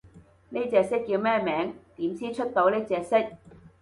呢隻色叫咩名？點先出到隻色？